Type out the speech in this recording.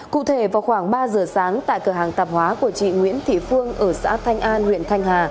cụ thể vào khoảng ba giờ sáng tại cửa hàng tạp hóa của chị nguyễn thị phương ở xã thanh an huyện thanh hà